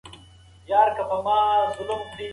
که انټرنیټ نه وي معلومات نه پیدا کیږي.